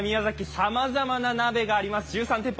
さまざまな鍋があります、１３店舗。